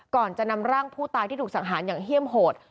ก่อนจะนำร่างผู้ตายที่ถูกสังหารอย่างเฮี่ยมโหด